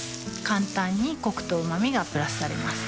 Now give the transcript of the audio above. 簡単にコクとうま味がプラスされます